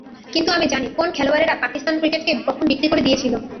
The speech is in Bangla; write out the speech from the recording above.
কিন্তু আমি জানি, কোন খেলোয়াড়েরা পাকিস্তান ক্রিকেটকে কখন বিক্রি করে দিয়েছিল।